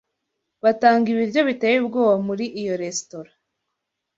Batanga ibiryo biteye ubwoba muri iyo resitora.